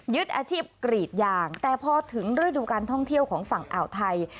อาชีพกรีดยางแต่พอถึงฤดูการท่องเที่ยวของฝั่งอ่าวไทย